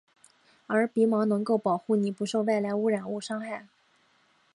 而鼻毛能够保护你不受外来污染物伤害。